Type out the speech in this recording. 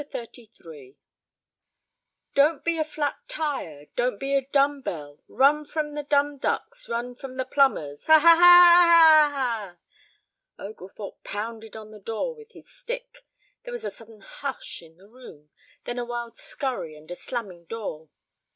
"She's out." XXXIII "Don't be a flat tyre, Don't be a dumb bell; Run from the dumb ducks, Run from the plumbers. Ha! Ha! Ha! Ha! Ha! Ha! Ha!" Oglethorpe pounded on the door with his stick. There was a sudden hush in the room, then a wild scurry and a slamming door.